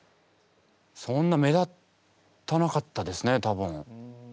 そんな目立たなかったですね多分。